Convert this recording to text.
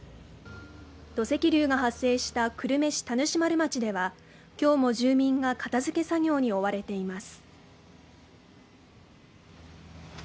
土石流が発生した久留米市田主丸町では、今日も住民が片付け作業に追われています。